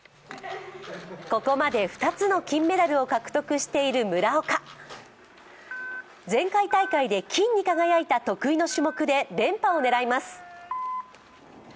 ここまで２つの金メダルを獲得している村岡前回大会で金に輝いた得意の種目で連覇を狙います。